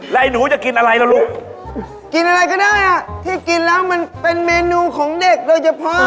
แล้วไอ้หนูจะกินอะไรล่ะลูกกินอะไรก็ได้อ่ะที่กินแล้วมันเป็นเมนูของเด็กโดยเฉพาะ